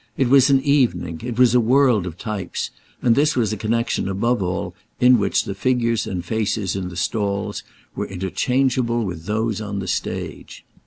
It was an evening, it was a world of types, and this was a connexion above all in which the figures and faces in the stalls were interchangeable with those on the stage.